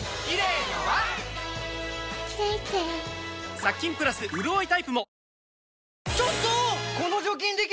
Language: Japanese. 殺菌プラスうるおいタイプも